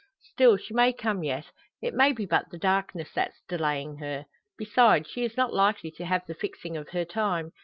Still she may come yet. It may be but the darkness that's delaying her. Besides, she is not likely to have the fixing of her time.